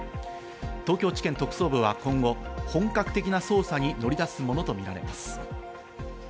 東京地検特捜部は今後、本格的な捜査に乗り出すものとみられます。